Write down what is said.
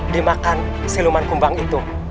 dimakan siluman kumbang itu